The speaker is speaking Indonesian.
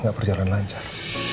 gak berjalan lancar